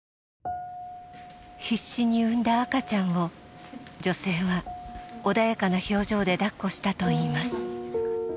必死に産んだ赤ちゃんを女性は穏やかな表情で抱っこしたといいます。